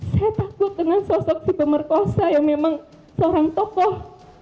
saya takut dengan sosok si pemerkosa yang memang seorang tokoh